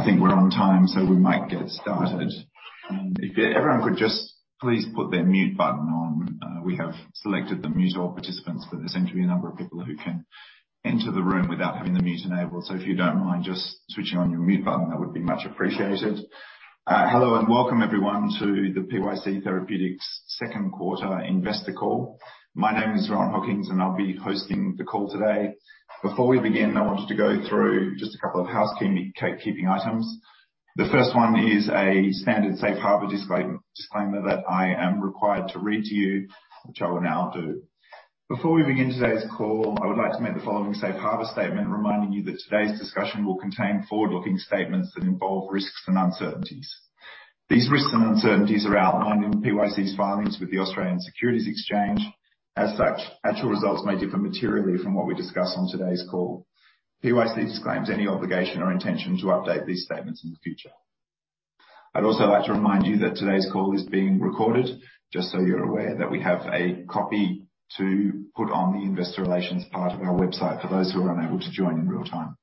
Okay, I think we're on time, so we might get started. If everyone could just please put their mute button on. We have selected to mute all participants, but there seem to be a number of people who can enter the room without having the mute enabled. If you don't mind just switching on your mute button, that would be much appreciated. Hello, and welcome everyone to the PYC Therapeutics Q2 Investor Call. My name is Rohan Hockings, and I'll be hosting the call today. Before we begin, I wanted to go through just a couple of housekeeping items. The first one is a standard safe harbor disclaimer that I am required to read to you, which I will now do. Before we begin today's call, I would like to make the following safe harbor statement reminding you that today's discussion will contain forward-looking statements that involve risks and uncertainties. These risks and uncertainties are outlined in PYC's filings with the Australian Securities Exchange. As such, actual results may differ materially from what we discuss on today's call. PYC disclaims any obligation or intention to update these statements in the future. I'd also like to remind you that today's call is being recorded, just so you're aware that we have a copy to put on the investor relations part of our website for those who are unable to join in real time.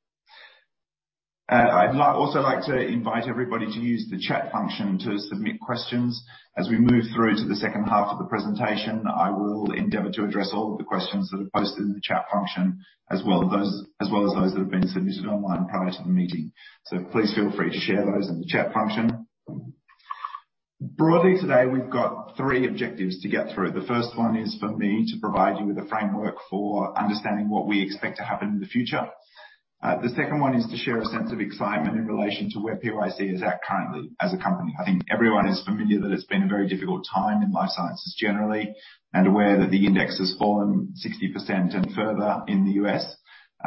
I'd also like to invite everybody to use the chat function to submit questions. As we move through to the second half of the presentation, I will endeavor to address all of the questions that are posted in the chat function, as well as those that have been submitted online prior to the meeting. Please feel free to share those in the chat function. Broadly today, we've got three objectives to get through. The first one is for me to provide you with a framework for understanding what we expect to happen in the future. The second one is to share a sense of excitement in relation to where PYC is at currently as a company. I think everyone is familiar that it's been a very difficult time in life sciences generally, and aware that the index has fallen 60% and further in the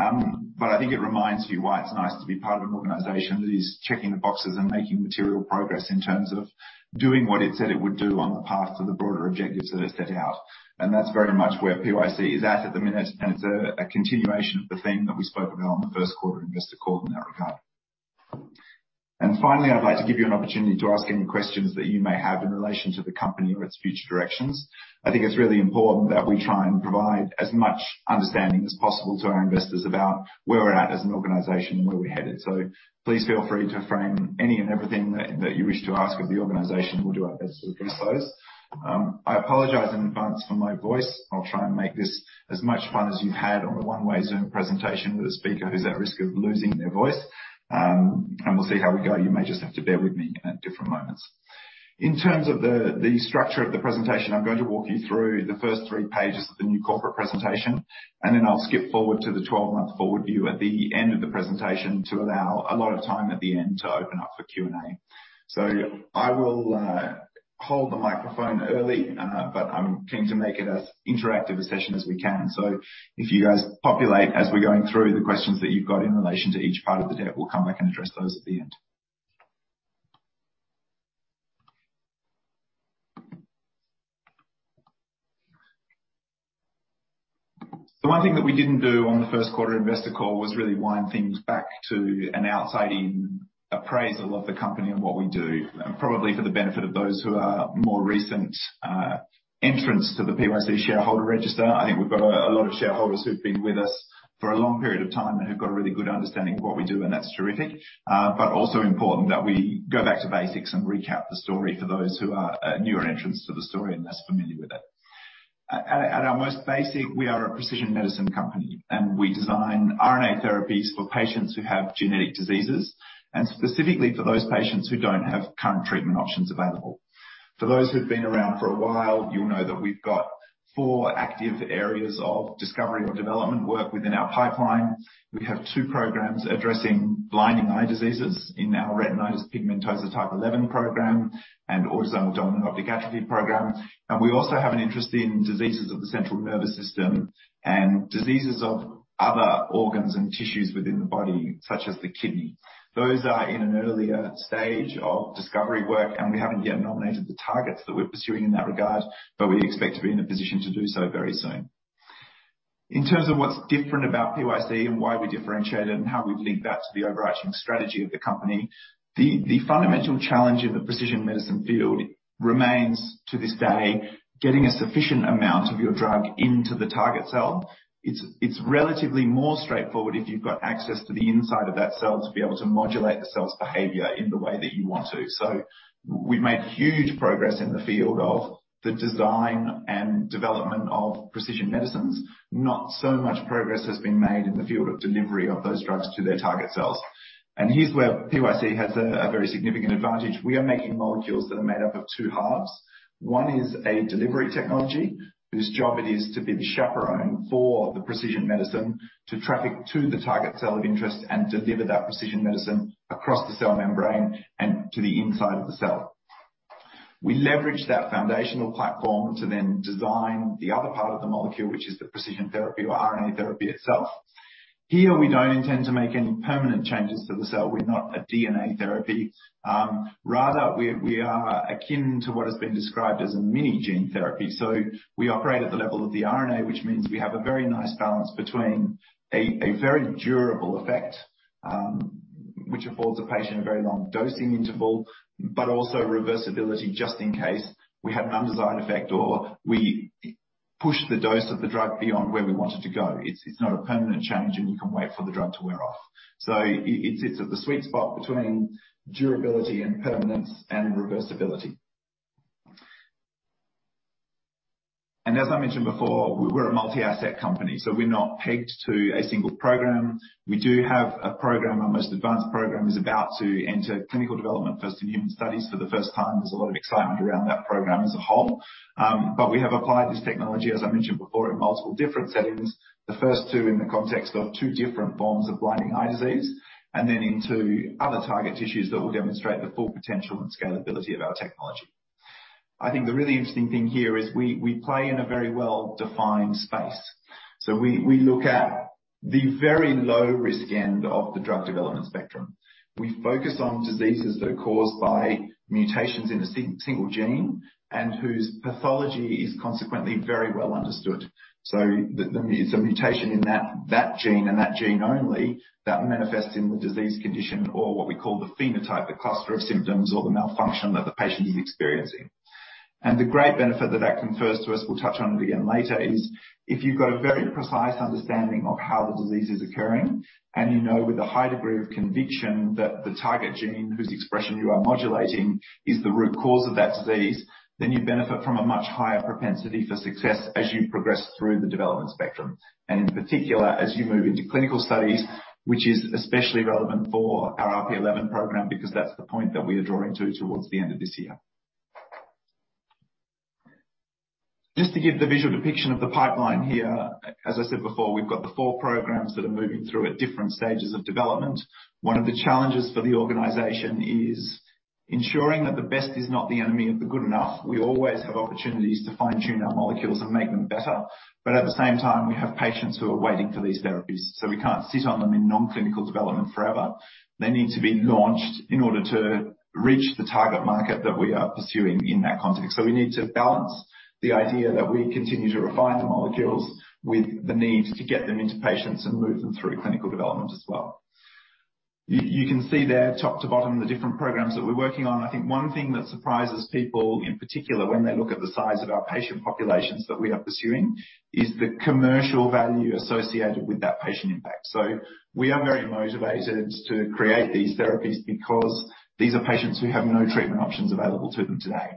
U.S. I think it reminds you why it's nice to be part of an organization that is checking the boxes and making material progress in terms of doing what it said it would do on the path to the broader objectives that are set out. That's very much where PYC is at the minute. It's a continuation of the theme that we spoke about on the Q1 investor call in that regard. Finally, I'd like to give you an opportunity to ask any questions that you may have in relation to the company or its future directions. I think it's really important that we try and provide as much understanding as possible to our investors about where we're at as an organization and where we're headed. Please feel free to frame any and everything that you wish to ask of the organization. We'll do our best to address those. I apologize in advance for my voice. I'll try and make this as much fun as you've had on a one-way Zoom presentation with a speaker who's at risk of losing their voice. We'll see how we go. You may just have to bear with me at different moments. In terms of the structure of the presentation, I'm going to walk you through the first three pages of the new corporate presentation, and then I'll skip forward to the 12-month forward view at the end of the presentation to allow a lot of time at the end to open up for Q&A. I will hold the microphone early, but I'm keen to make it as interactive a session as we can. If you guys populate as we're going through the questions that you've got in relation to each part of the deck, we'll come back and address those at the end. The one thing that we didn't do on the Q1 investor call was really wind things back to an outside appraisal of the company and what we do. Probably for the benefit of those who are more recent entrants to the PYC shareholder register. I think we've got a lot of shareholders who've been with us for a long period of time and have got a really good understanding of what we do, and that's terrific. Also important that we go back to basics and recap the story for those who are newer entrants to the story and less familiar with it. At our most basic, we are a precision medicine company, and we design RNA therapies for patients who have genetic diseases. Specifically for those patients who don't have current treatment options available. For those who've been around for a while, you'll know that we've got four active areas of discovery or development work within our pipeline. We have two programs addressing blinding eye diseases in our Retinitis Pigmentosa type 11 program and autosomal dominant optic atrophy program. We also have an interest in diseases of the central nervous system and diseases of other organs and tissues within the body, such as the kidney. Those are in an earlier stage of discovery work, and we haven't yet nominated the targets that we're pursuing in that regard, but we expect to be in a position to do so very soon. In terms of what's different about PYC and why we differentiate it and how we link that to the overarching strategy of the company, the fundamental challenge in the precision medicine field remains to this day, getting a sufficient amount of your drug into the target cell. It's relatively more straightforward if you've got access to the inside of that cell to be able to modulate the cell's behavior in the way that you want to. So we've made huge progress in the field of the design and development of precision medicines. Not so much progress has been made in the field of delivery of those drugs to their target cells. Here's where PYC has a very significant advantage. We are making molecules that are made up of two halves. One is a delivery technology, whose job it is to be the chaperone for the precision medicine to traffic to the target cell of interest and deliver that precision medicine across the cell membrane and to the inside of the cell. We leverage that foundational platform to then design the other part of the molecule, which is the precision therapy or RNA therapy itself. Here, we don't intend to make any permanent changes to the cell. We're not a DNA therapy. Rather we are akin to what has been described as a mini-gene therapy. We operate at the level of the RNA, which means we have a very nice balance between a very durable effect, which affords a patient a very long dosing interval, but also reversibility just in case we have an undesired effect or we push the dose of the drug beyond where we want it to go. It's not a permanent change, and we can wait for the drug to wear off. It sits at the sweet spot between durability and permanence and reversibility. As I mentioned before, we're a multi-asset company, so we're not pegged to a single program. We do have a program. Our most advanced program is about to enter clinical development, first in human studies for the first time. There's a lot of excitement around that program as a whole. we have applied this technology, as I mentioned before, in multiple different settings. The first two in the context of two different forms of blinding eye disease and then into other target tissues that will demonstrate the full potential and scalability of our technology. I think the really interesting thing here is we play in a very well-defined space. we look at the very low-risk end of the drug development spectrum. We focus on diseases that are caused by mutations in a single gene and whose pathology is consequently very well understood. it's a mutation in that gene and that gene only that manifests in the disease condition or what we call the phenotype, the cluster of symptoms or the malfunction that the patient is experiencing. The great benefit that that confers to us, we'll touch on again later, is if you've got a very precise understanding of how the disease is occurring, and you know with a high degree of conviction that the target gene whose expression you are modulating is the root cause of that disease, then you benefit from a much higher propensity for success as you progress through the development spectrum. In particular, as you move into clinical studies, which is especially relevant for our RP11 program, because that's the point that we are heading towards the end of this year. Just to give the visual depiction of the pipeline here, as I said before, we've got the four programs that are moving through at different stages of development. One of the challenges for the organization is ensuring that the best is not the enemy of the good enough. We always have opportunities to fine-tune our molecules and make them better. We have patients who are waiting for these therapies, so we can't sit on them in non-clinical development forever. They need to be launched in order to reach the target market that we are pursuing in that context. We need to balance the idea that we continue to refine the molecules with the need to get them into patients and move them through clinical development as well. You can see from top to bottom the different programs that we're working on. I think one thing that surprises people, in particular, when they look at the size of our patient populations that we are pursuing, is the commercial value associated with that patient impact. We are very motivated to create these therapies because these are patients who have no treatment options available to them today.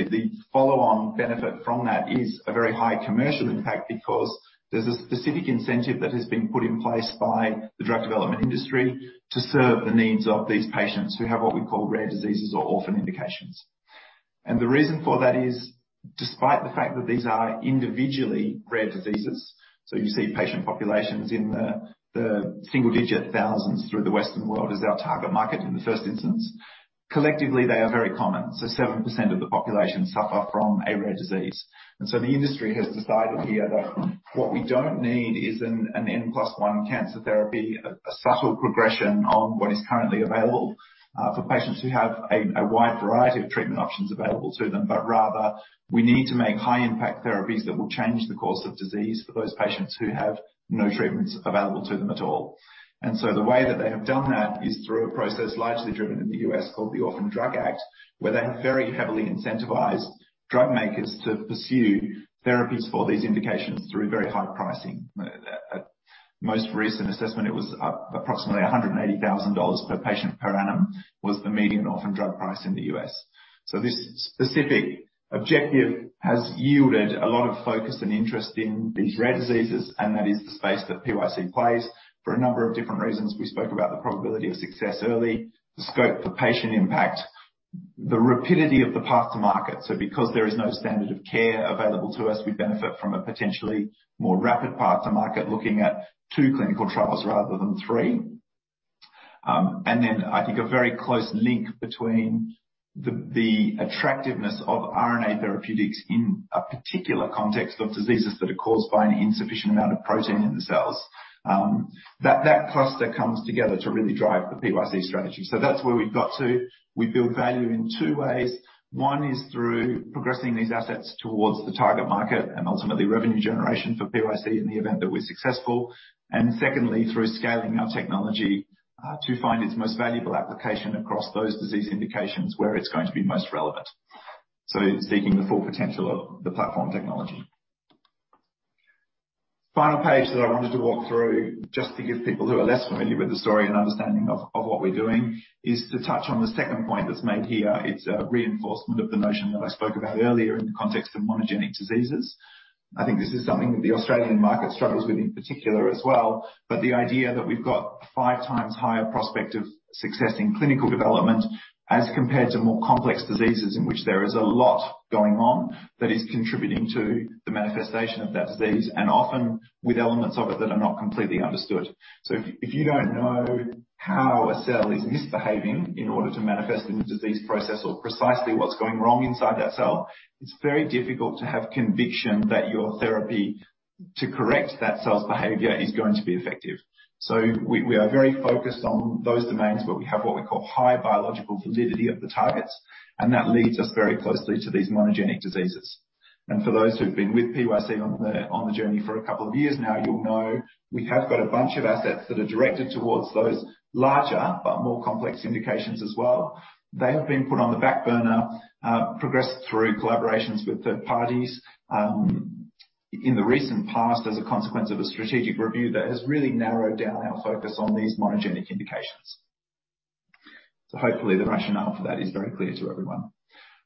The follow-on benefit from that is a very high commercial impact because there's a specific incentive that has been put in place by the drug development industry to serve the needs of these patients who have what we call rare diseases or orphan indications. The reason for that is, despite the fact that these are individually rare diseases, so you see patient populations in the single-digit thousands through the Western world is our target market in the first instance. Collectively, they are very common. Seven percent of the population suffer from a rare disease. The industry has decided here that what we don't need is an N plus one cancer therapy, a subtle progression on what is currently available, for patients who have a wide variety of treatment options available to them. Rather we need to make high impact therapies that will change the course of disease for those patients who have no treatments available to them at all. The way that they have done that is through a process largely driven in the US called the Orphan Drug Act, where they have very heavily incentivized drug makers to pursue therapies for these indications through very high pricing. At most recent assessment, it was approximately $180,000 per patient per annum, the median orphan drug price in the US. This specific objective has yielded a lot of focus and interest in these rare diseases, and that is the space that PYC plays for a number of different reasons. We spoke about the probability of success early, the scope for patient impact, the rapidity of the path to market. Because there is no standard of care available to us, we benefit from a potentially more rapid path to market, looking at two clinical trials rather than three. I think a very close link between the attractiveness of RNA therapeutics in a particular context of diseases that are caused by an insufficient amount of protein in the cells. That cluster comes together to really drive the PYC strategy. That's where we've got to. We build value in two ways. One is through progressing these assets towards the target market and ultimately revenue generation for PYC in the event that we're successful. Secondly, through scaling our technology to find its most valuable application across those disease indications where it's going to be most relevant. Seeking the full potential of the platform technology. Final page that I wanted to walk through, just to give people who are less familiar with the story an understanding of what we're doing, is to touch on the second point that's made here. It's a reinforcement of the notion that I spoke about earlier in the context of monogenic diseases. I think this is something that the Australian market struggles with in particular as well. The idea that we've got five times higher prospect of success in clinical development as compared to more complex diseases in which there is a lot going on that is contributing to the manifestation of that disease, and often with elements of it that are not completely understood. If you don't know how a cell is misbehaving in order to manifest in the disease process or precisely what's going wrong inside that cell, it's very difficult to have conviction that your therapy to correct that cell's behavior is going to be effective. We are very focused on those domains where we have what we call high biological validity of the targets, and that leads us very closely to these monogenic diseases. For those who've been with PYC on the journey for a couple of years now, you'll know we have got a bunch of assets that are directed towards those larger but more complex indications as well. They have been put on the back burner, progressed through collaborations with third parties, in the recent past as a consequence of a strategic review that has really narrowed down our focus on these monogenic indications. Hopefully the rationale for that is very clear to everyone.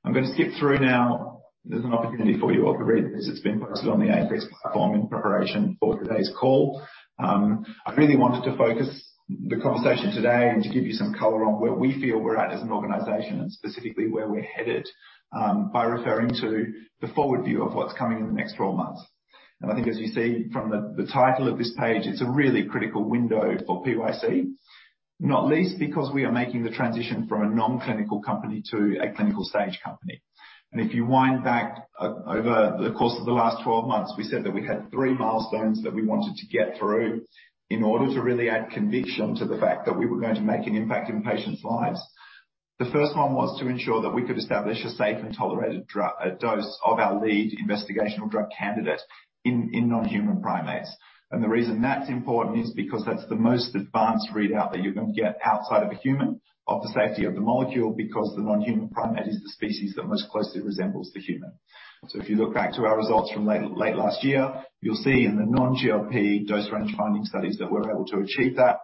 I'm gonna skip through now. There's an opportunity for you all to read this. It's been posted on the ASX platform in preparation for today's call. I really wanted to focus the conversation today and to give you some color on where we feel we're at as an organization, and specifically where we're headed, by referring to the forward view of what's coming in the next 12 months. I think as you see from the title of this page, it's a really critical window for PYC, not least because we are making the transition from a non-clinical company to a clinical stage company. If you wind back over the course of the last 12 months, we said that we had three milestones that we wanted to get through in order to really add conviction to the fact that we were going to make an impact in patients' lives. The first one was to ensure that we could establish a safe and tolerated dose of our lead investigational drug candidate in non-human primates. The reason that's important is because that's the most advanced readout that you're going to get outside of a human of the safety of the molecule, because the non-human primate is the species that most closely resembles the human. If you look back to our results from late last year, you'll see in the non-GLP dose range finding studies that we were able to achieve that.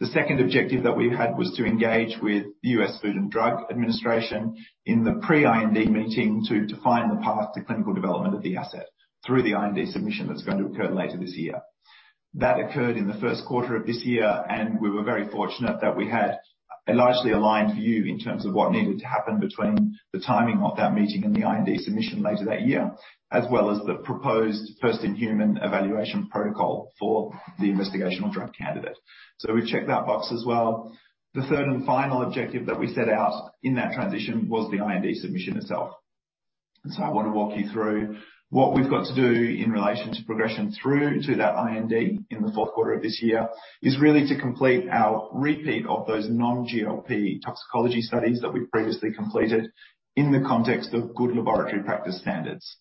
The second objective that we've had was to engage with the US Food and Drug Administration in the pre-IND meeting to define the path to clinical development of the asset through the IND submission that's going to occur later this year. That occurred in the Q1 of this year, and we were very fortunate that we had a largely aligned view in terms of what needed to happen between the timing of that meeting and the IND submission later that year, as well as the proposed first in human evaluation protocol for the investigational drug candidate. We've checked that box as well. The third and final objective that we set out in that transition was the IND submission itself. I want to walk you through what we've got to do in relation to progression through to that IND in the Q4 of this year, is really to complete our repeat of those non-GLP toxicology studies that we've previously completed in the context of Good Laboratory Practice standards.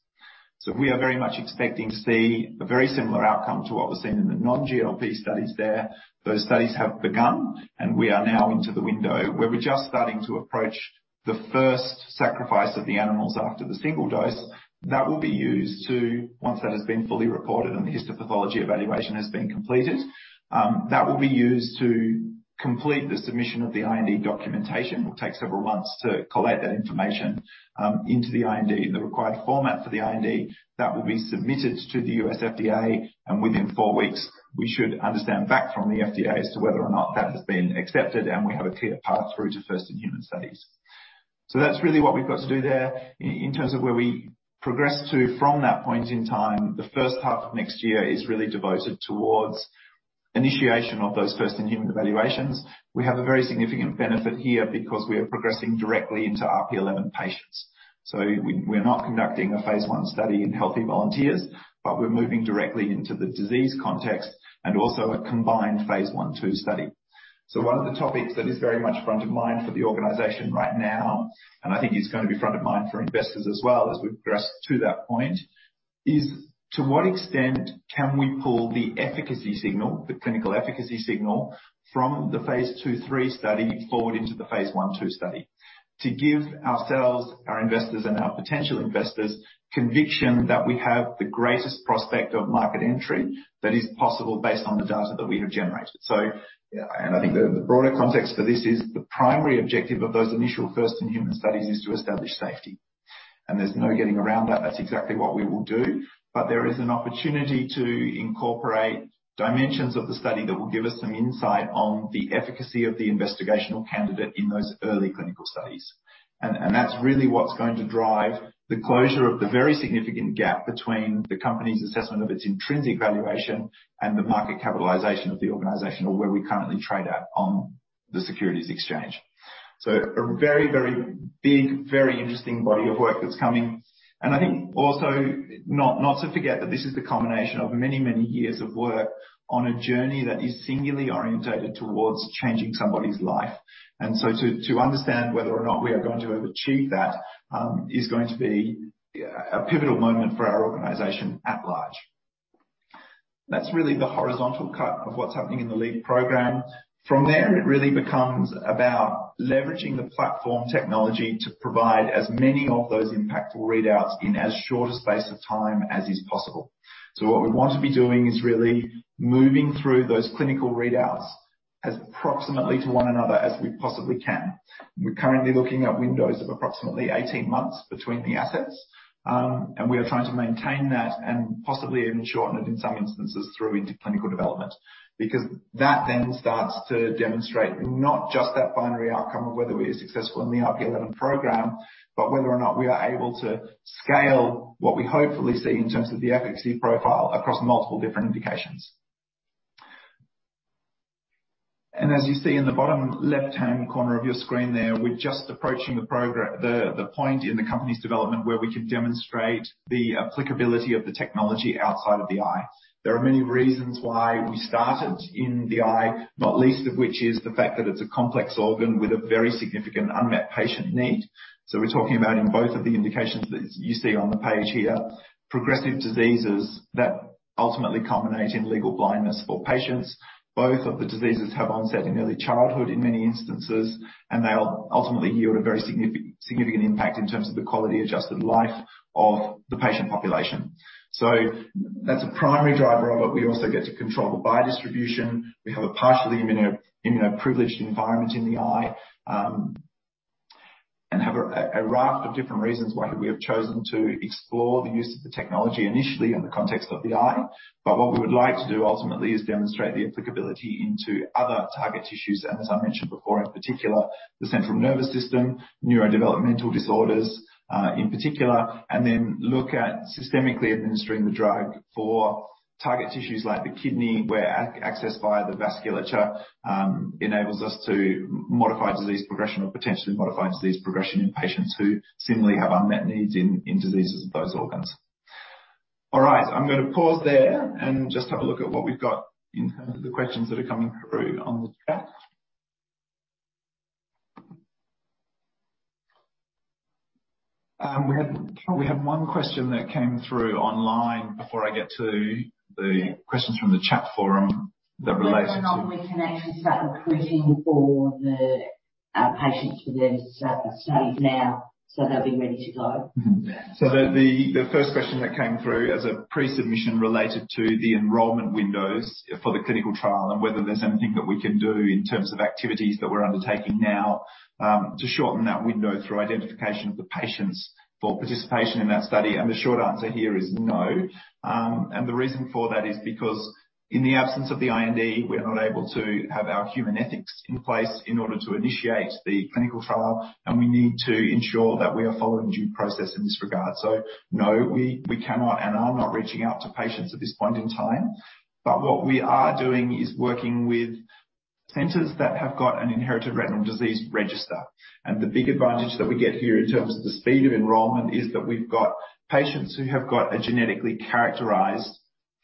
We are very much expecting to see a very similar outcome to what was seen in the non-GLP studies there. Those studies have begun, and we are now into the window where we're just starting to approach the first sacrifice of the animals after the single dose that will be used to, once that has been fully reported and the histopathology evaluation has been completed, that will be used to complete the submission of the IND documentation. It will take several months to collate that information into the IND, in the required format for the IND that will be submitted to the U.S. FDA, and within four weeks we should understand back from the FDA as to whether or not that has been accepted and we have a clear path through to first in human studies. That's really what we've got to do there. In terms of where we progress to from that point in time, the first half of next year is really devoted towards initiation of those first in human evaluations. We have a very significant benefit here because we are progressing directly into RP11 patients. We're not conducting a Phase I study in healthy volunteers, but we're moving directly into the disease context and also a combined Phase I/II study. One of the topics that is very much front of mind for the organization right now, and I think it's gonna be front of mind for investors as well as we progress to that point, is to what extent can we pull the efficacy signal, the clinical efficacy signal from the Phase II/III study forward into the Phase I/II study. To give ourselves, our investors and our potential investors conviction that we have the greatest prospect of market entry that is possible based on the data that we have generated. I think the broader context for this is the primary objective of those initial first in human studies is to establish safety, and there's no getting around that. That's exactly what we will do. There is an opportunity to incorporate dimensions of the study that will give us some insight on the efficacy of the investigational candidate in those early clinical studies. That's really what's going to drive the closure of the very significant gap between the company's assessment of its intrinsic valuation and the market capitalization of the organization, or where we currently trade at on the securities exchange. A very, very big, very interesting body of work that's coming. I think also not to forget that this is the culmination of many, many years of work on a journey that is singularly oriented towards changing somebody's life. To understand whether or not we are going to ever achieve that is going to be a pivotal moment for our organization at large. That's really the horizontal cut of what's happening in the lead program. From there, it really becomes about leveraging the platform technology to provide as many of those impactful readouts in as short a space of time as is possible. What we want to be doing is really moving through those clinical readouts as proximately to one another as we possibly can. We're currently looking at windows of approximately 18 months between the assets. We are trying to maintain that and possibly even shorten it in some instances through into clinical development, because that then starts to demonstrate not just that binary outcome of whether we are successful in the RP11 program, but whether or not we are able to scale what we hopefully see in terms of the efficacy profile across multiple different indications. As you see in the bottom left-hand corner of your screen there, we're just approaching the point in the company's development where we can demonstrate the applicability of the technology outside of the eye. There are many reasons why we started in the eye, not least of which is the fact that it's a complex organ with a very significant unmet patient need. We're talking about in both of the indications that you see on the page here, progressive diseases that ultimately culminate in legal blindness for patients. Both of the diseases have onset in early childhood in many instances, and they'll ultimately yield a very significant impact in terms of the quality-adjusted life of the patient population. That's a primary driver of it. We also get to control the biodistribution. We have a partially immuno-privileged environment in the eye, and have a raft of different reasons why we have chosen to explore the use of the technology initially in the context of the eye. What we would like to do ultimately is demonstrate the applicability into other target tissues, and as I mentioned before, in particular the central nervous system, neurodevelopmental disorders, in particular, and then look at systemically administering the drug for target tissues like the kidney, where access via the vasculature enables us to potentially modify disease progression in patients who similarly have unmet needs in diseases of those organs. All right. I'm gonna pause there and just have a look at what we've got in terms of the questions that are coming through on the chat. We have one question that came through online before I get to the questions from the chat forum that relates to- When are we commencing recruiting patients for the studies now, so they'll be ready to go? The first question that came through as a pre-submission related to the enrollment windows for the clinical trial and whether there's anything that we can do in terms of activities that we're undertaking now to shorten that window through identification of the patients for participation in that study. The short answer here is no. The reason for that is because in the absence of the IND, we're not able to have our human ethics in place in order to initiate the clinical trial, and we need to ensure that we are following due process in this regard. No, we cannot and are not reaching out to patients at this point in time. What we are doing is working with centers that have got an inherited retinal disease register. The big advantage that we get here in terms of the speed of enrollment is that we've got patients who have got a genetically characterized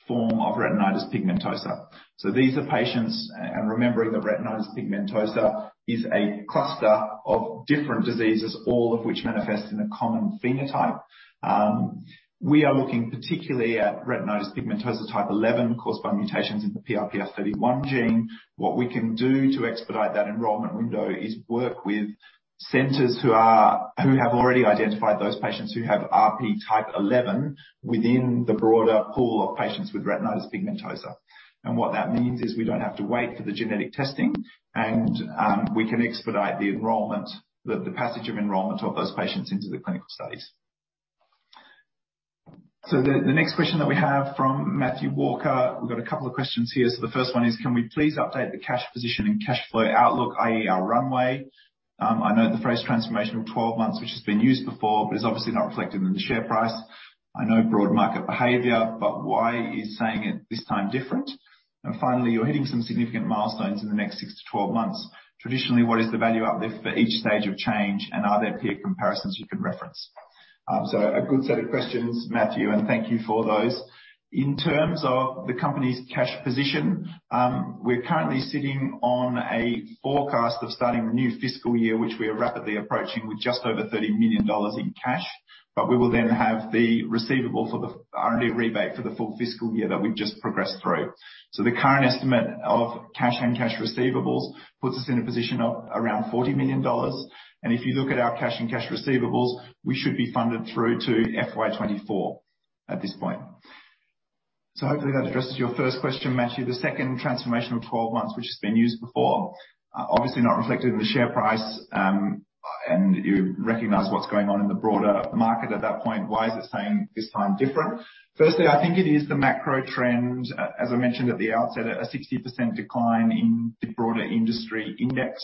form of Retinitis Pigmentosa. These are patients, and remembering that retinitis pigmentosa is a cluster of different diseases, all of which manifest in a common phenotype. We are looking particularly at Retinitis Pigmentosa type 11 caused by mutations in the PRPF31 gene. What we can do to expedite that enrollment window is work with centers who have already identified those patients who have RP type 11 within the broader pool of patients with Retinitis Pigmentosa. What that means is we don't have to wait for the genetic testing and we can expedite the enrollment, the passage of enrollment of those patients into the clinical studies. The next question that we have from Matthew Walker, we've got a couple of questions here. The first one is, "Can we please update the cash position and cash flow outlook, i.e., our runway? I know the phrase transformational 12 months, which has been used before, but it's obviously not reflected in the share price. I know broad market behavior, but why is saying it this time different? And finally, you're hitting some significant milestones in the next 6 to 12 months. Traditionally, what is the value uplift for each stage of change, and are there peer comparisons you can reference?" A good set of questions, Matthew, and thank you for those. In terms of the company's cash position, we're currently sitting on a forecast of starting the new fiscal year, which we are rapidly approaching, with just over 30 million dollars in cash. We will then have the receivable for the R&D rebate for the full fiscal year that we've just progressed through. The current estimate of cash and cash receivables puts us in a position of around 40 million dollars. If you look at our cash and cash receivables, we should be funded through to FY 2024 at this point. Hopefully that addresses your first question, Matthew. The second transformational 12 months, which has been used before, obviously not reflected in the share price, and you recognize what's going on in the broader market at that point. Why is it saying this time different? Firstly, I think it is the macro trend. As I mentioned at the outset, a 60% decline in the broader industry index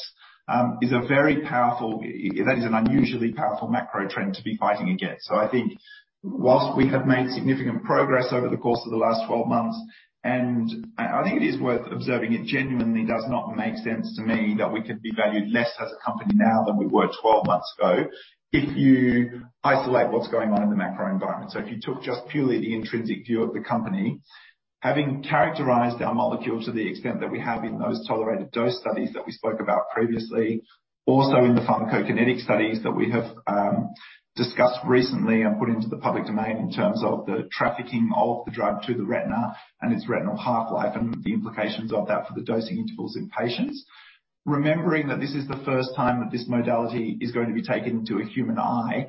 is a very powerful. That is an unusually powerful macro trend to be fighting against. I think while we have made significant progress over the course of the last 12 months, and I think it is worth observing, it genuinely does not make sense to me that we could be valued less as a company now than we were 12 months ago, if you isolate what's going on in the macro environment. If you took just purely the intrinsic view of the company, having characterized our molecule to the extent that we have in those tolerated dose studies that we spoke about previously, also in the pharmacokinetic studies that we have discussed recently and put into the public domain in terms of the trafficking of the drug to the retina and its retinal half-life, and the implications of that for the dosing intervals in patients. Remembering that this is the first time that this modality is going to be taken into a human eye,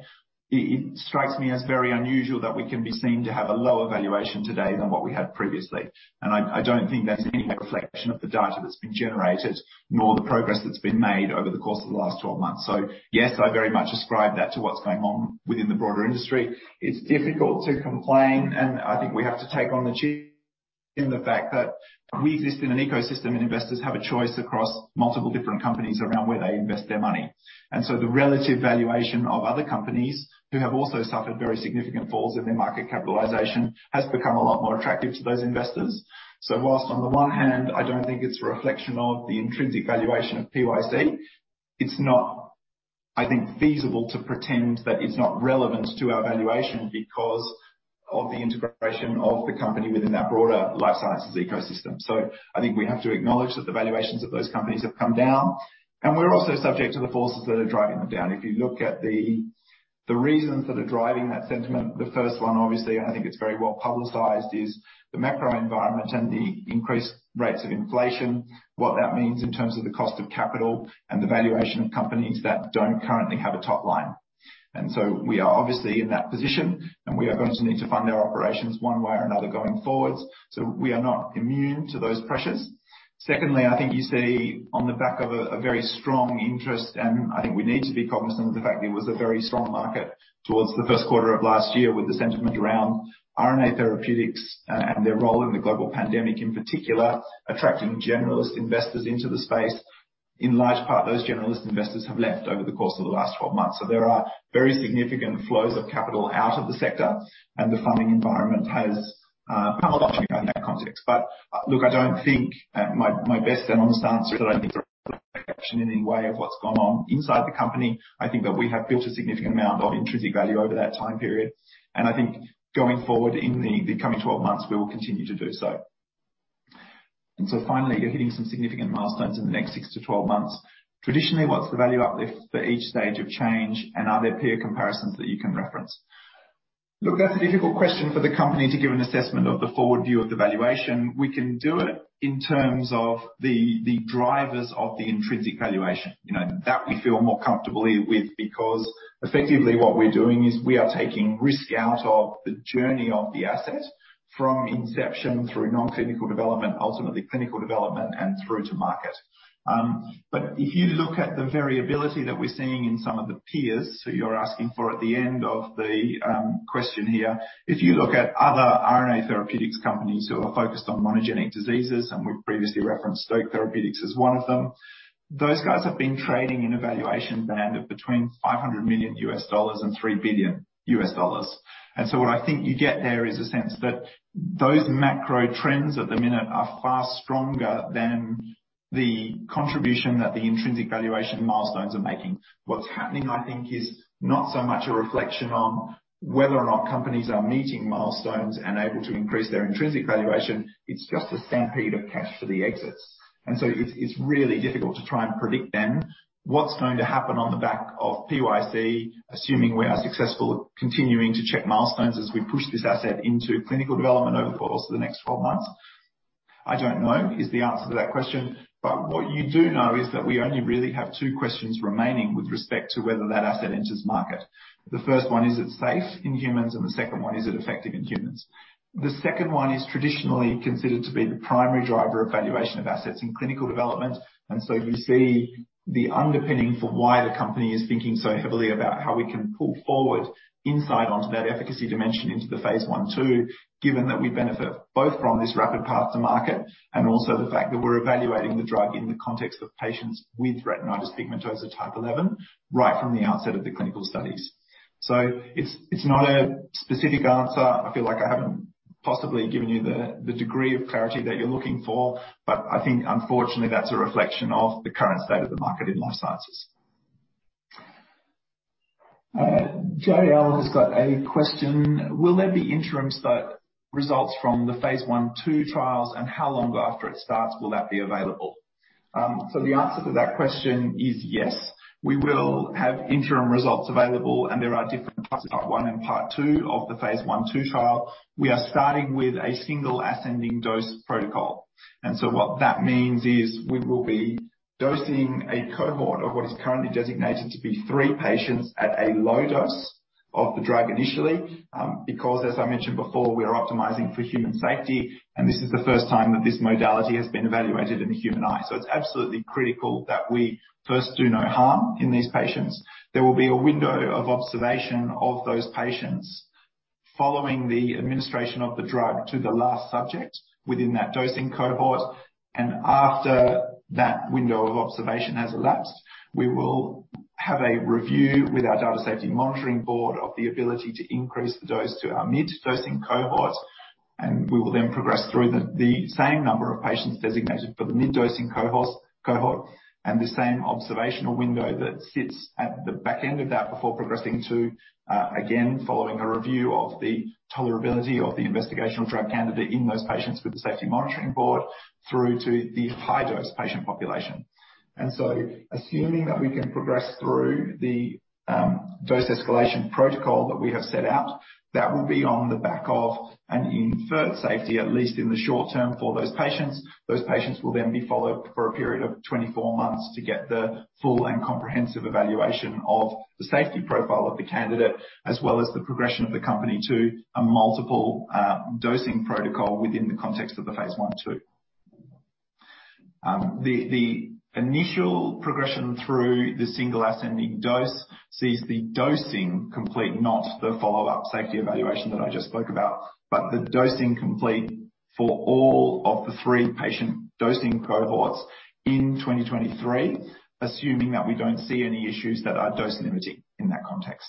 it strikes me as very unusual that we can be seen to have a lower valuation today than what we had previously. I don't think that's any reflection of the data that's been generated, nor the progress that's been made over the course of the last 12 months. Yes, I very much ascribe that to what's going on within the broader industry. It's difficult to complain, and I think we have to take it on the chin the fact that we exist in an ecosystem, and investors have a choice across multiple different companies around where they invest their money. The relative valuation of other companies who have also suffered very significant falls in their market capitalization has become a lot more attractive to those investors. While on the one hand, I don't think it's a reflection of the intrinsic valuation of PYC, it's not, I think, feasible to pretend that it's not relevant to our valuation because of the integration of the company within that broader life sciences ecosystem. I think we have to acknowledge that the valuations of those companies have come down, and we're also subject to the forces that are driving them down. If you look at the reasons that are driving that sentiment, the first one obviously, and I think it's very well-publicized, is the macro environment and the increased rates of inflation, what that means in terms of the cost of capital and the valuation of companies that don't currently have a top line. We are obviously in that position, and we are going to need to fund our operations one way or another going forwards. We are not immune to those pressures. Secondly, I think you see on the back of a very strong interest, and I think we need to be cognizant of the fact there was a very strong market towards the Q1 of last year with the sentiment around RNA therapeutics and their role in the global pandemic, in particular, attracting generalist investors into the space. In large part, those generalist investors have left over the course of the last 12 months. There are very significant flows of capital out of the sector, and the funding environment has come up in that context. Look, my best and honest answer is I don't think it's a reflection in any way of what's gone on inside the company. I think that we have built a significant amount of intrinsic value over that time period. I think going forward in the coming 12 months, we will continue to do so. Finally, you're hitting some significant milestones in the next 6 to 12 months. Traditionally, what's the value uplift for each stage of change, and are there peer comparisons that you can reference? Look, that's a difficult question for the company to give an assessment of the forward view of the valuation. We can do it in terms of the drivers of the intrinsic valuation. You know, that we feel more comfortably with, because effectively what we're doing is we are taking risk out of the journey of the asset from inception through non-clinical development, ultimately clinical development, and through to market. But if you look at the variability that we're seeing in some of the peers, so you're asking for at the end of the question here. If you look at other RNA therapeutics companies who are focused on monogenic diseases, and we've previously referenced Stoke Therapeutics as one of them. Those guys have been trading in a valuation band of between $500 million and $3 billion. What I think you get there is a sense that those macro trends at the minute are far stronger than the contribution that the intrinsic valuation milestones are making. What's happening, I think, is not so much a reflection on whether or not companies are meeting milestones and able to increase their intrinsic valuation. It's just a stampede of cash for the exits. It's really difficult to try and predict then what's going to happen on the back of PYC, assuming we are successful at continuing to check milestones as we push this asset into clinical development over the course of the next 12 months. I don't know is the answer to that question, but what you do know is that we only really have two questions remaining with respect to whether that asset enters market. The first one, is it safe in humans? The second one, is it effective in humans? The second one is traditionally considered to be the primary driver of valuation of assets in clinical development. You see the underpinning for why the company is thinking so heavily about how we can pull forward insight onto that efficacy dimension into the Phase I/II, given that we benefit both from this rapid path to market and also the fact that we're evaluating the drug in the context of patients with Retinitis Pigmentosa type 11 right from the outset of the clinical studies. It's not a specific answer. I feel like I haven't possibly given you the degree of clarity that you're looking for, but I think unfortunately, that's a reflection of the current state of the market in life sciences. JL has got a question. Will there be interim results from the Phase I/II trials, and how long after it starts will that be available? The answer to that question is yes. We will have interim results available, and there are different parts, part one and part two of the Phase I/II trial. We are starting with a single ascending dose protocol. What that means is we will be dosing a cohort of what is currently designated to be three patients at a low dose of the drug initially, because as I mentioned before, we are optimizing for human safety, and this is the first time that this modality has been evaluated in the human eye. It's absolutely critical that we first do no harm in these patients. There will be a window of observation of those patients following the administration of the drug to the last subject within that dosing cohort. After that window of observation has elapsed, we will have a review with our Data Safety Monitoring Board of the ability to increase the dose to our mid-dosing cohort. We will then progress through the same number of patients designated for the mid-dosing cohort and the same observational window that sits at the back end of that before progressing to, again, following a review of the tolerability of the investigational drug candidate in those patients with the Safety Monitoring Board through to the high-dose patient population. Assuming that we can progress through the dose escalation protocol that we have set out, that will be on the back of an inferred safety, at least in the short term for those patients. Those patients will then be followed for a period of 24 months to get the full and comprehensive evaluation of the safety profile of the candidate, as well as the progression of the company to a multiple dosing protocol within the context of the Phase I/II. The initial progression through the single ascending dose sees the dosing complete, not the follow-up safety evaluation that I just spoke about. The dosing complete for all of the three patient dosing cohorts in 2023, assuming that we don't see any issues that are dose limiting in that context.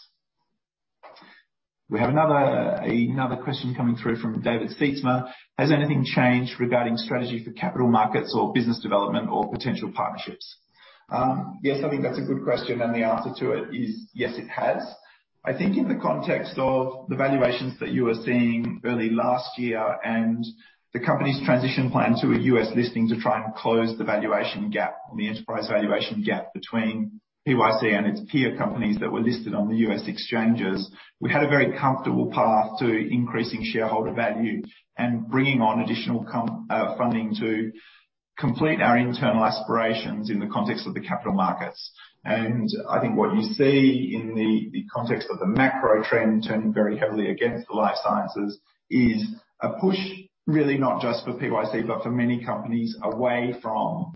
We have another question coming through from David Sietsma. Has anything changed regarding strategy for capital markets or business development or potential partnerships? Yes, I think that's a good question, and the answer to it is yes, it has. I think in the context of the valuations that you were seeing early last year and the company's transition plan to a U.S. listing to try and close the valuation gap, on the enterprise valuation gap between PYC and its peer companies that were listed on the U.S. exchanges, we had a very comfortable path to increasing shareholder value and bringing on additional funding to complete our internal aspirations in the context of the capital markets. I think what you see in the context of the macro trend turning very heavily against the life sciences is a push, really, not just for PYC, but for many companies away from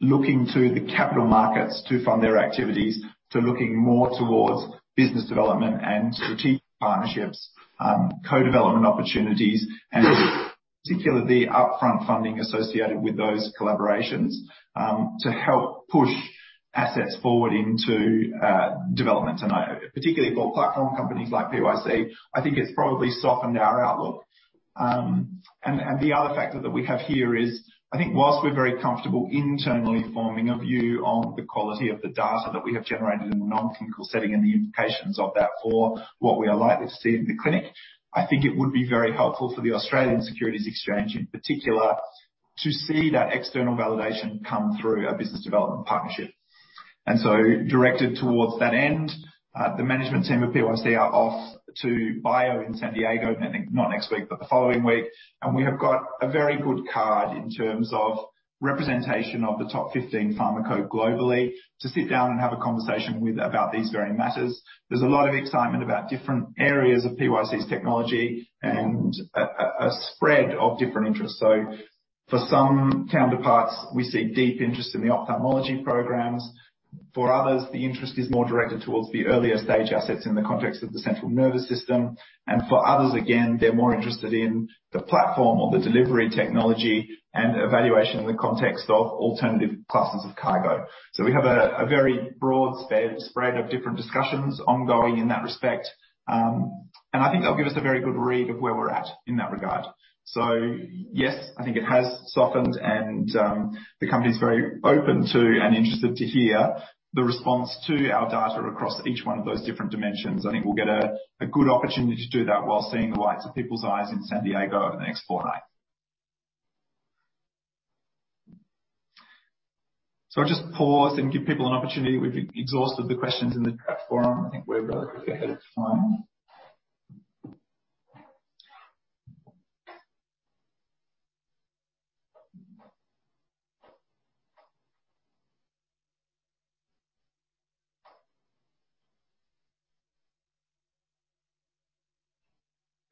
looking to the capital markets to fund their activities, to looking more towards business development and strategic partnerships, co-development opportunities, and particularly upfront funding associated with those collaborations, to help push assets forward into development. Particularly for platform companies like PYC, I think it's probably softened our outlook. The other factor that we have here is, I think while we're very comfortable internally forming a view on the quality of the data that we have generated in a non-clinical setting and the implications of that for what we are likely to see in the clinic, I think it would be very helpful for the Australian Securities Exchange, in particular, to see that external validation come through a business development partnership. Directed towards that end, the management team of PYC are off to BIO in San Diego, I think not next week, but the following week. We have got a very good card in terms of representation of the top 15 pharma globally to sit down and have a conversation with about these very matters. There's a lot of excitement about different areas of PYC's technology and a spread of different interests. For some counterparts, we see deep interest in the ophthalmology programs. For others, the interest is more directed towards the earlier stage assets in the context of the central nervous system. For others, again, they're more interested in the platform or the delivery technology and evaluation in the context of alternative classes of cargo. We have a very broad spread of different discussions ongoing in that respect. I think that'll give us a very good read of where we're at in that regard. Yes, I think it has softened and the company is very open to and interested to hear the response to our data across each one of those different dimensions. I think we'll get a good opportunity to do that while seeing the likes of people's eyes in San Diego over the next four nights. I'll just pause and give people an opportunity. We've exhausted the questions in the chat forum. I think we're relatively ahead of time.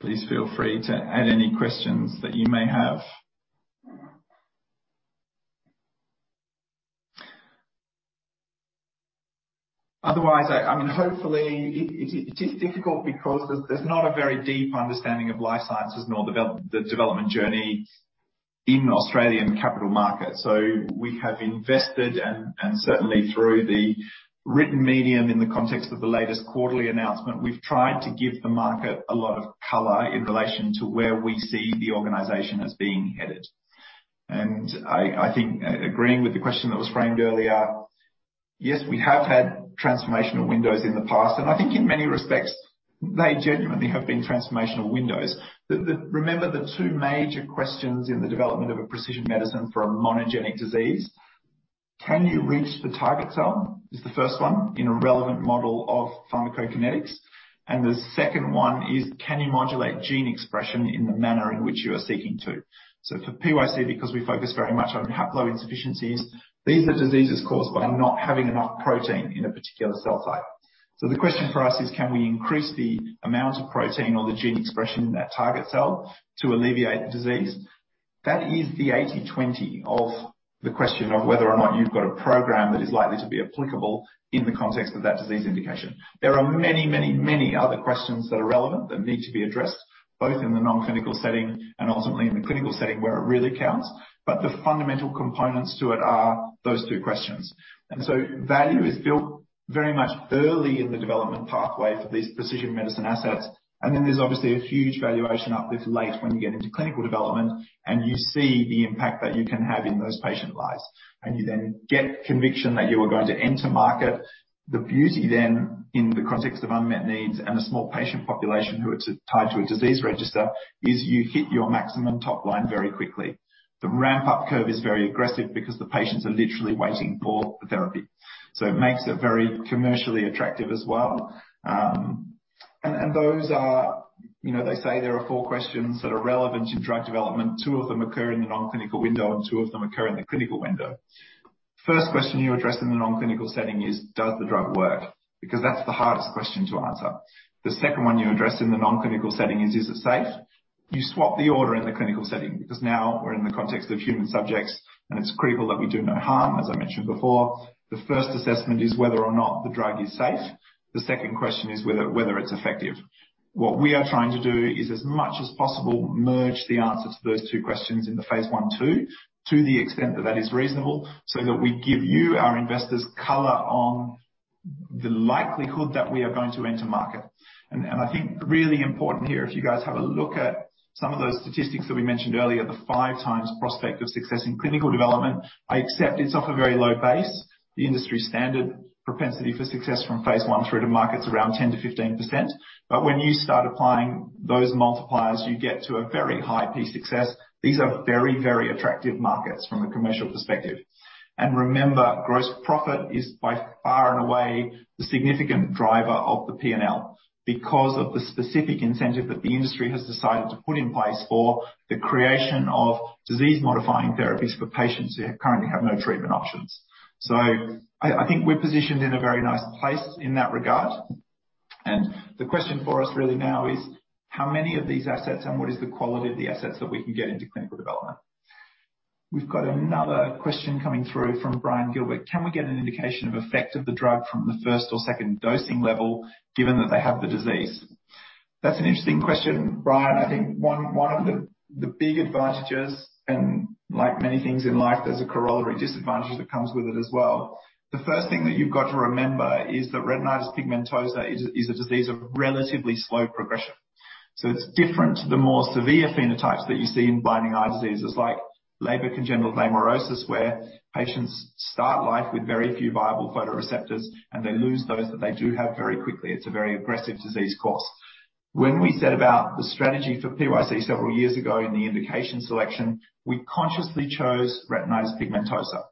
Please feel free to add any questions that you may have. Otherwise, I mean, hopefully it is difficult because there's not a very deep understanding of life sciences nor the development journey in Australian capital markets. We have invested and certainly through the written medium in the context of the latest quarterly announcement, we've tried to give the market a lot of color in relation to where we see the organization as being headed. I think agreeing with the question that was framed earlier, yes, we have had transformational windows in the past, and I think in many respects, they genuinely have been transformational windows. Remember the two major questions in the development of a precision medicine for a monogenic disease. Can you reach the target cell? Is the first one, in a relevant model of pharmacokinetics. The second one is, can you modulate gene expression in the manner in which you are seeking to? For PYC, because we focus very much on haploinsufficiencies, these are diseases caused by not having enough protein in a particular cell type. The question for us is, can we increase the amount of protein or the gene expression in that target cell to alleviate the disease? That is the 80/20 of the question of whether or not you've got a program that is likely to be applicable in the context of that disease indication. There are many, many, many other questions that are relevant that need to be addressed, both in the non-clinical setting and ultimately in the clinical setting where it really counts. The fundamental components to it are those two questions. Value is built very much early in the development pathway for these precision medicine assets. There's obviously a huge valuation uplift late when you get into clinical development, and you see the impact that you can have in those patient lives. You then get conviction that you are going to enter market. The beauty in the context of unmet needs and a small patient population who are tied to a disease register is you hit your maximum top line very quickly. The ramp-up curve is very aggressive because the patients are literally waiting for the therapy. It makes it very commercially attractive as well. Those are, you know, they say there are four questions that are relevant in drug development. Two of them occur in the non-clinical window, and two of them occur in the clinical window. First question you address in the non-clinical setting is, does the drug work? Because that's the hardest question to answer. The second one you address in the non-clinical setting is it safe? You swap the order in the clinical setting because now we're in the context of human subjects, and it's critical that we do no harm, as I mentioned before. The first assessment is whether or not the drug is safe. The second question is whether it's effective. What we are trying to do is, as much as possible, merge the answers to those two questions in the Phase I/II, to the extent that that is reasonable, so that we give you, our investors, color on the likelihood that we are going to enter market. I think really important here, if you guys have a look at some of those statistics that we mentioned earlier, the five times prospect of success in clinical development. I accept it's off a very low base. The industry standard propensity for success from Phase I through to market's around 10%-15%, when you start applying those multipliers, you get to a very high P success. These are very, very attractive markets from a commercial perspective. Remember, gross profit is by far and away the significant driver of the P&L. Because of the specific incentive that the industry has decided to put in place for the creation of disease-modifying therapies for patients who currently have no treatment options. I think we're positioned in a very nice place in that regard. The question for us really now is how many of these assets and what is the quality of the assets that we can get into clinical development? We've got another question coming through from Brian Gilbert. Can we get an indication of effect of the drug from the first or second dosing level, given that they have the disease? That's an interesting question, Brian. I think one of the big advantages, and like many things in life, there's a corollary disadvantage that comes with it as well. The first thing that you've got to remember is that Retinitis Pigmentosa is a disease of relatively slow progression. It's different to the more severe phenotypes that you see in blinding eye diseases like Leber Congenital Amaurosis, where patients start life with very few viable photoreceptors, and they lose those that they do have very quickly. It's a very aggressive disease course. When we set about the strategy for PYC several years ago in the indication selection, we consciously chose Retinitis Pigmentosa.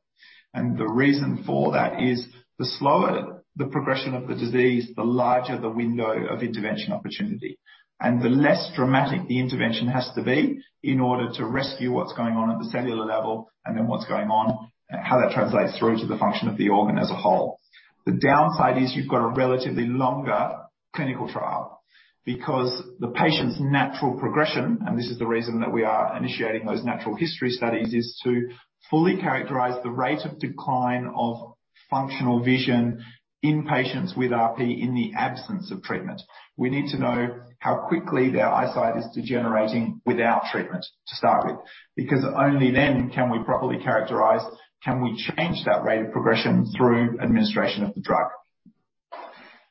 The reason for that is the slower the progression of the disease, the larger the window of intervention opportunity. The less dramatic the intervention has to be in order to rescue what's going on at the cellular level, and then what's going on, how that translates through to the function of the organ as a whole. The downside is you've got a relatively longer clinical trial because the patient's natural progression, and this is the reason that we are initiating those natural history studies, is to fully characterize the rate of decline of functional vision in patients with RP in the absence of treatment. We need to know how quickly their eyesight is degenerating without treatment to start with, because only then can we properly characterize, can we change that rate of progression through administration of the drug.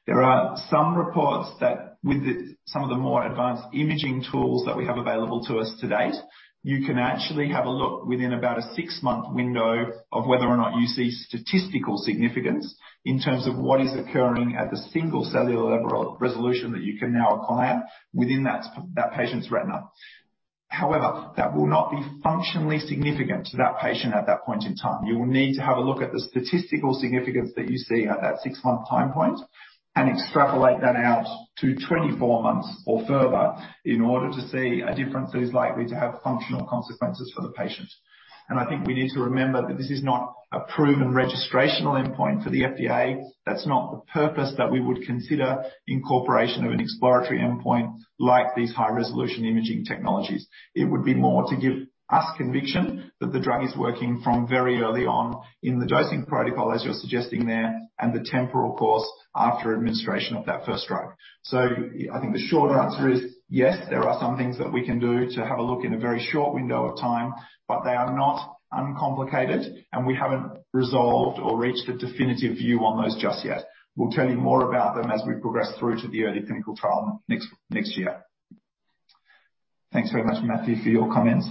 There are some reports that with some of the more advanced imaging tools that we have available to us to date, you can actually have a look within about a six-month window of whether or not you see statistical significance in terms of what is occurring at the single cellular level resolution that you can now acclaim within that patient's retina. However, that will not be functionally significant to that patient at that point in time. You will need to have a look at the statistical significance that you see at that six-month time point and extrapolate that out to 24 months or further in order to see a difference that is likely to have functional consequences for the patient. I think we need to remember that this is not a proven registrational endpoint for the FDA. That's not the purpose that we would consider incorporation of an exploratory endpoint like these high-resolution imaging technologies. It would be more to give us conviction that the drug is working from very early on in the dosing protocol, as you're suggesting there, and the temporal course after administration of that first drug. I think the short answer is yes, there are some things that we can do to have a look in a very short window of time, but they are not uncomplicated, and we haven't resolved or reached a definitive view on those just yet. We'll tell you more about them as we progress through to the early clinical trial next year. Thanks very much, Matthew, for your comments.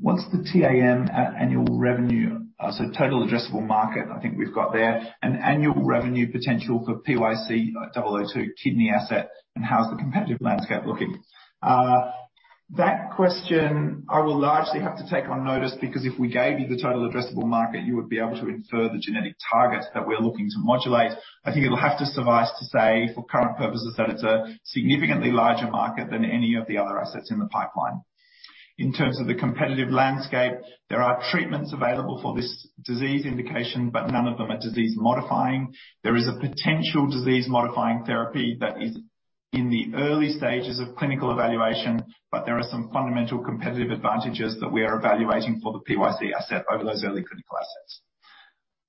What's the TAM at annual revenue? Total addressable market, I think we've got there. An annual revenue potential for PYC-002 kidney asset, and how is the competitive landscape looking? That question I will largely have to take on notice, because if we gave you the total addressable market, you would be able to infer the genetic targets that we're looking to modulate. I think it'll have to suffice to say for current purposes that it's a significantly larger market than any of the other assets in the pipeline. In terms of the competitive landscape, there are treatments available for this disease indication, but none of them are disease-modifying. There is a potential disease-modifying therapy that is in the early stages of clinical evaluation, but there are some fundamental competitive advantages that we are evaluating for the PYC asset over those early clinical assets.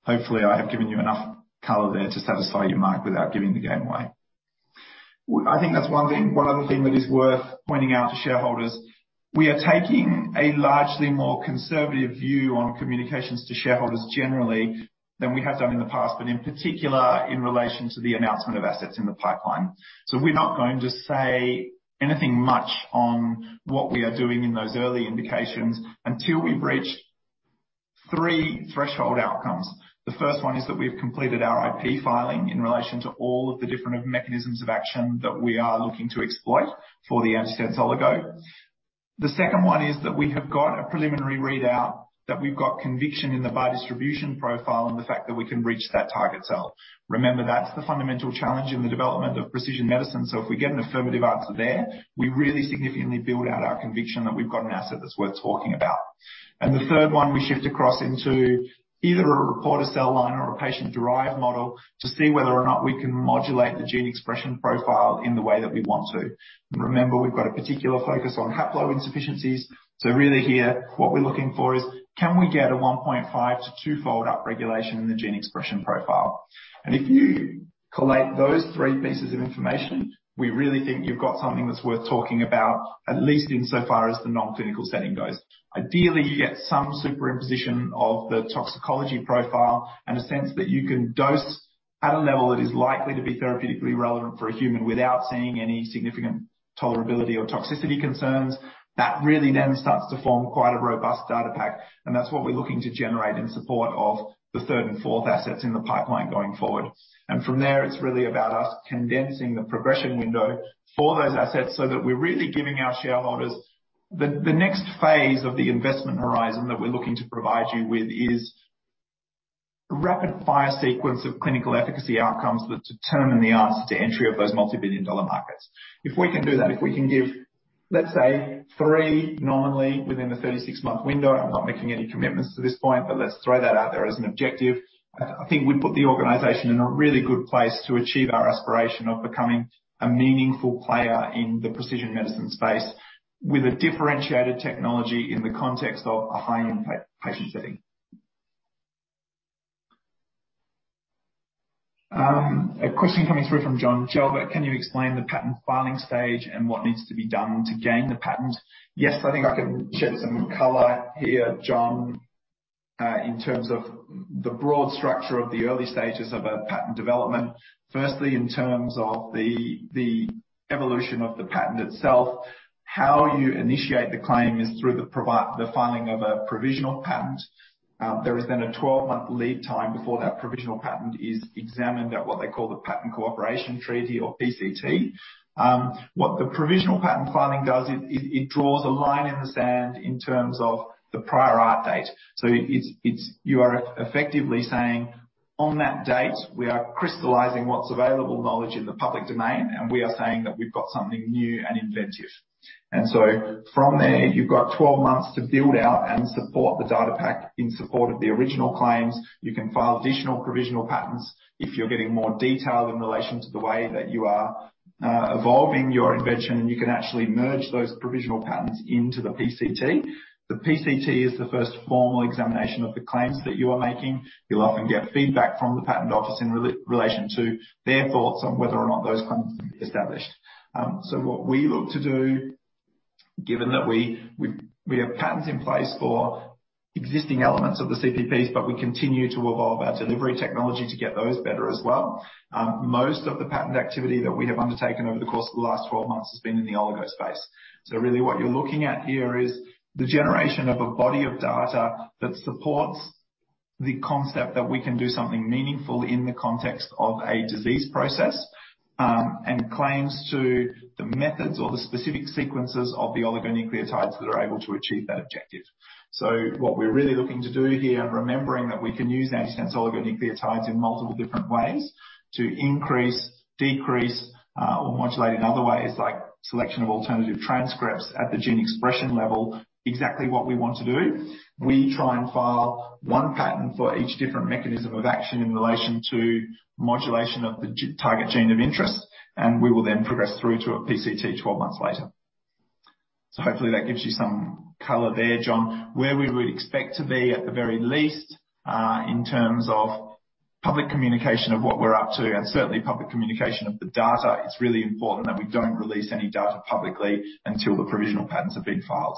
Hopefully, I have given you enough color there to satisfy you, Mark, without giving the game away. I think that's one thing. One other thing that is worth pointing out to shareholders, we are taking a largely more conservative view on communications to shareholders generally than we have done in the past, but in particular, in relation to the announcement of assets in the pipeline. We're not going to say anything much on what we are doing in those early indications until we've reached three threshold outcomes. The first one is that we've completed our IP filing in relation to all of the different mechanisms of action that we are looking to exploit for the antisense oligo. The second one is that we have got a preliminary readout, that we've got conviction in the biodistribution profile and the fact that we can reach that target cell. Remember, that's the fundamental challenge in the development of precision medicine. If we get an affirmative answer there, we really significantly build out our conviction that we've got an asset that's worth talking about. The third one, we shift across into either a reporter cell line or a patient-derived model to see whether or not we can modulate the gene expression profile in the way that we want to. Remember, we've got a particular focus on haploinsufficiencies. Really here, what we're looking for is can we get a 1.5- to two-fold upregulation in the gene expression profile? If you collate those three pieces of information, we really think you've got something that's worth talking about, at least insofar as the non-clinical setting goes. Ideally, you get some superimposition of the toxicology profile and a sense that you can dose at a level that is likely to be therapeutically relevant for a human without seeing any significant tolerability or toxicity concerns, that really then starts to form quite a robust data pack, and that's what we're looking to generate in support of the third and fourth assets in the pipeline going forward. From there, it's really about us condensing the progression window for those assets so that we're really giving our shareholders the next phase of the investment horizon that we're looking to provide you with is rapid fire sequence of clinical efficacy outcomes that determine the barriers to entry of those multi-billion dollar markets. If we can do that, if we can give, let's say, three nominally within the 36-month window, I'm not making any commitments to this point, but let's throw that out there as an objective. I think we'd put the organization in a really good place to achieve our aspiration of becoming a meaningful player in the precision medicine space with a differentiated technology in the context of a high impact patient setting. A question coming through from John Gelbert, "Can you explain the patent filing stage and what needs to be done to gain the patent?" Yes, I think I can shed some color here, John, in terms of the broad structure of the early stages of a patent development. Firstly, in terms of the evolution of the patent itself, how you initiate the claim is through the filing of a provisional patent. There is then a 12-month lead time before that provisional patent is examined at what they call the Patent Cooperation Treaty or PCT. What the provisional patent filing does is, it draws a line in the sand in terms of the prior art date. It's you are effectively saying, on that date, we are crystallizing what's available knowledge in the public domain, and we are saying that we've got something new and inventive. From there, you've got 12 months to build out and support the data pack in support of the original claims. You can file additional provisional patents if you're getting more detail in relation to the way that you are evolving your invention, and you can actually merge those provisional patents into the PCT. The PCT is the first formal examination of the claims that you are making. You'll often get feedback from the patent office in relation to their thoughts on whether or not those claims can be established. What we look to do, given that we have patents in place for existing elements of the CPPs, but we continue to evolve our delivery technology to get those better as well. Most of the patent activity that we have undertaken over the course of the last 12 months has been in the oligo space. Really what you're looking at here is the generation of a body of data that supports the concept that we can do something meaningful in the context of a disease process, and claims to the methods or the specific sequences of the oligonucleotides that are able to achieve that objective. What we're really looking to do here, remembering that we can use antisense oligonucleotides in multiple different ways to increase, decrease, or modulate in other ways, like selection of alternative transcripts at the gene expression level, exactly what we want to do. We try and file one patent for each different mechanism of action in relation to modulation of the target gene of interest, and we will then progress through to a PCT 12 months later. Hopefully that gives you some color there, John. Where we would expect to be at the very least, in terms of public communication of what we're up to and certainly public communication of the data, it's really important that we don't release any data publicly until the provisional patents have been filed.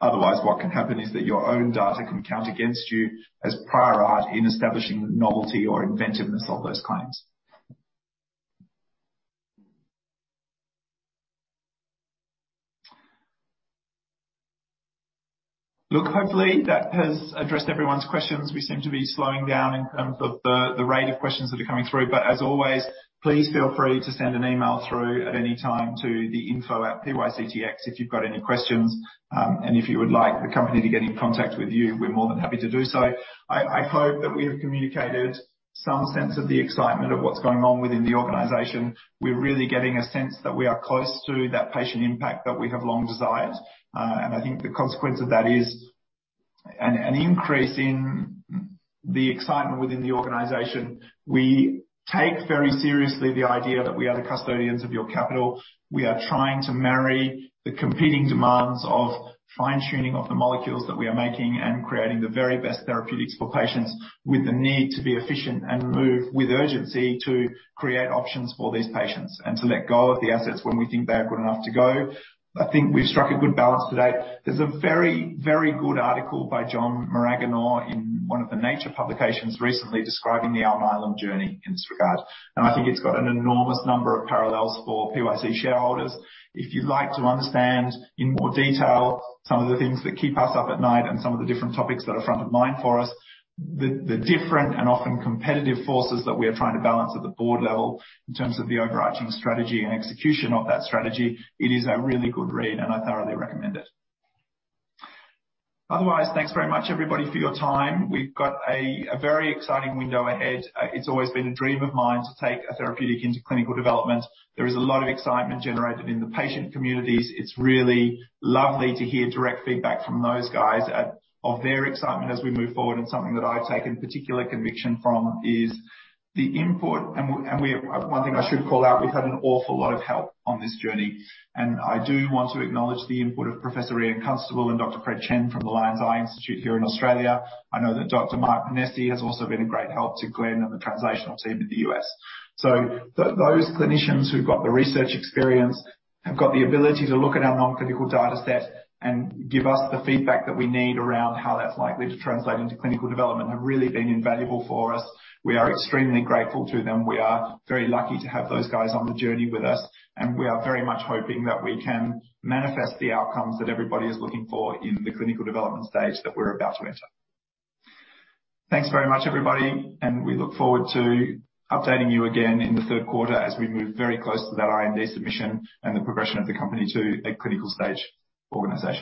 Otherwise, what can happen is that your own data can count against you as prior art in establishing the novelty or inventiveness of those claims. Look, hopefully, that has addressed everyone's questions. We seem to be slowing down in terms of the rate of questions that are coming through, but as always, please feel free to send an email through at any time to the info@pyctx.com if you've got any questions. If you would like the company to get in contact with you, we're more than happy to do so. I hope that we have communicated some sense of the excitement of what's going on within the organization. We're really getting a sense that we are close to that patient impact that we have long desired. I think the consequence of that is an increase in the excitement within the organization. We take very seriously the idea that we are the custodians of your capital. We are trying to marry the competing demands of fine-tuning of the molecules that we are making and creating the very best therapeutics for patients, with the need to be efficient and move with urgency to create options for these patients and to let go of the assets when we think they are good enough to go. I think we've struck a good balance to date. There's a very, very good article by John Maraganore in one of the Nature publications recently describing the Alnylam journey in this regard. I think it's got an enormous number of parallels for PYC shareholders. If you'd like to understand in more detail some of the things that keep us up at night and some of the different topics that are front of mind for us, the different and often competitive forces that we are trying to balance at the board level in terms of the overarching strategy and execution of that strategy, it is a really good read, and I thoroughly recommend it. Otherwise, thanks very much, everybody, for your time. We've got a very exciting window ahead. It's always been a dream of mine to take a therapeutic into clinical development. There is a lot of excitement generated in the patient communities. It's really lovely to hear direct feedback from those guys of their excitement as we move forward, and something that I've taken particular conviction from is the input, one thing I should call out, we've had an awful lot of help on this journey, and I do want to acknowledge the input of Professor Ian Constable and Dr. Fred Chen from the Lions Eye Institute here in Australia. I know that Dr. Mark Pennesi has also been a great help to Glenn and the translational team in the US. Those clinicians who've got the research experience, have got the ability to look at our non-clinical data set and give us the feedback that we need around how that's likely to translate into clinical development, have really been invaluable for us. We are extremely grateful to them. We are very lucky to have those guys on the journey with us, and we are very much hoping that we can manifest the outcomes that everybody is looking for in the clinical development stage that we're about to enter. Thanks very much, everybody, and we look forward to updating you again in the Q3 as we move very close to that IND submission and the progression of the company to a clinical stage organization.